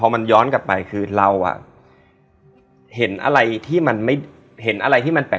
บรรพบุรุษเขาอะเหรอ